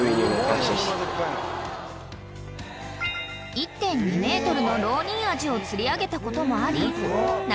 ［１．２ｍのロウニンアジを釣り上げたこともあり中